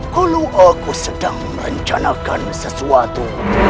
kalau aku sedang merencanakan sesuatu